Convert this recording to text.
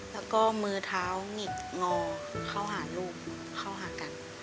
แล้วก็มือเท้าหงิกงอเข้าหาลูกเข้าหากัน